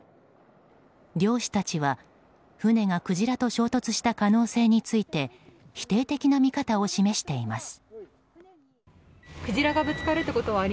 漁師たちは、船がクジラと衝突した可能性について否定的な見方を示しています。